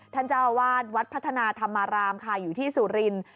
เจ้าอาวาสวัดพัฒนาธรรมารามค่ะอยู่ที่สุรินทร์